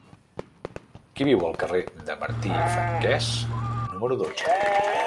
Qui viu al carrer de Martí i Franquès número dotze?